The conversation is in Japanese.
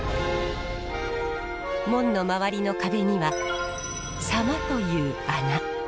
門の周りの壁には狭間という穴。